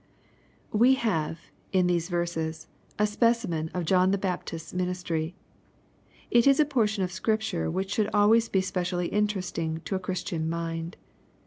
Wk have, in these verses, a specimen of John the Bap tist's ministry. It is a portion of Scripture which should always be specially interesting to a Christian mind.